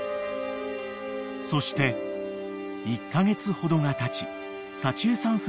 ［そして１カ月ほどがたち幸枝さん夫婦の番に］